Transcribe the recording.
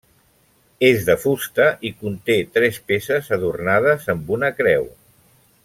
És de fusta i conté tres peces adornades amb una creu.